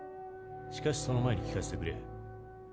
しかしその前に聞かせてくれ。